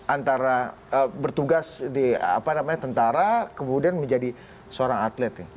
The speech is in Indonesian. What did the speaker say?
antara bertugas di tentara kemudian menjadi seorang atlet